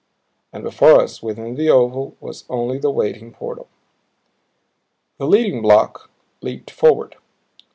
And before us within the oval was only the waiting portal. The leading block leaped forward.